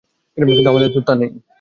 কিন্তু আমাদের তো নেই।